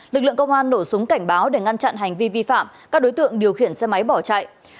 lực lượng công an nổ súng cảnh báo để ngăn chặn hành vi vi phạm các đối tượng điều khiển xe máy bỏ chạy